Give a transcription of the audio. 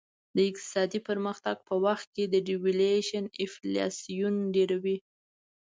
د اقتصادي پرمختګ په وخت devaluation انفلاسیون ډېروي.